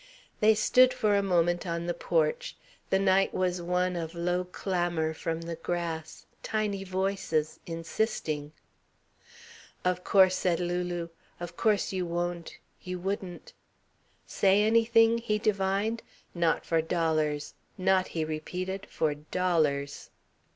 They stood for a moment on the porch. The night was one of low clamour from the grass, tiny voices, insisting. "Of course," said Lulu, "of course you won't you wouldn't " "Say anything?" he divined. "Not for dollars. Not," he repeated, "for dollars."